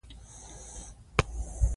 ځینې کسان پر ده ناسمې نیوکې کوي.